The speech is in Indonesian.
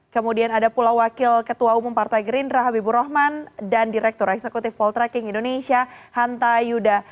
kemudian ada pula wakil ketua umum partai gerindra habibur rahman dan direktur eksekutif poltreking indonesia hanta yuda